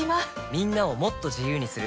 みんなをもっと自由にする「三菱冷蔵庫」